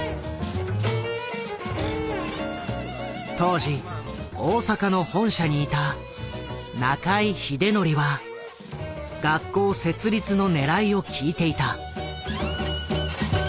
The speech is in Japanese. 当時大阪の本社にいた中井秀範は学校設立のねらいを聞いていた。